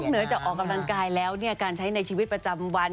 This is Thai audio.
เหนือจากออกกำลังกายแล้วการใช้ในชีวิตประจำวัน